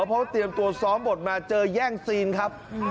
เพราะว่าเตรียมตัวซ้อมบทมาเจอแย่งซีนครับ